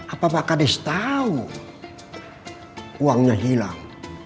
apakah kandis tahu uangnya hilang